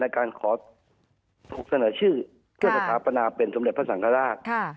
การขอกศน่าชื่อเที่ยวสรรพนาปันสมเด็จพระสังคราช